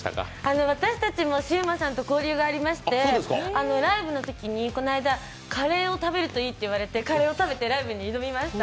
私たちもシウマさんと交流がありましてライブのときに、この間カレーと食べるといいと言われてカレーを食べてライブに挑みました。